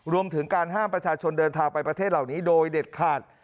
รวมถึงการห้ามประชาชนเดินทางไปประเทศเหล่านี้โดยเด็ดขาด